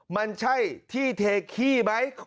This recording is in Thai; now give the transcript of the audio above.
มันใช่ที่เทขี้ไหม